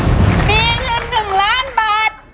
มี๑๑ล้านบาท